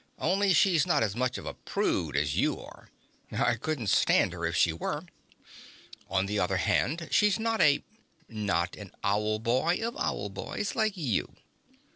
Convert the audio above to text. "Only she's not as much of a prude as you are. I couldn't stand her if she were." "On the other hand, she's not a " "Not an Owl boy of Owl boys like you."